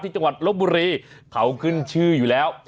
จังหวัดลบบุรีเขาขึ้นชื่ออยู่แล้ว